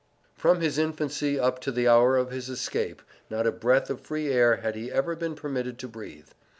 From his infancy up to the hour of his escape, not a breath of free air had he ever been permitted to breathe.